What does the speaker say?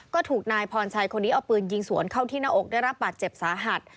ก็ถูกนายพรชัยคนนี้เอาปืนยิงสวนเข้าที่หน้าอกได้รับบาดเจ็บสาหัส